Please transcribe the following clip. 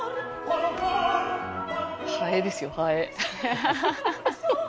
ハエですよハエ。